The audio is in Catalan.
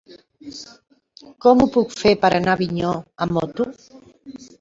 Com ho puc fer per anar a Avinyó amb moto?